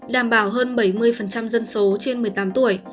đảm bảo hơn bảy mươi dân số trên một mươi tám tuổi